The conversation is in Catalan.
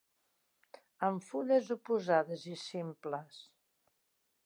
Amb fulles oposades i simples.